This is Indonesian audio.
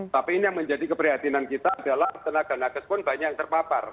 tapi ini yang menjadi keprihatinan kita adalah tenaga nakes pun banyak yang terpapar